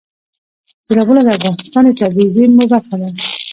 سیلابونه د افغانستان د طبیعي زیرمو برخه ده.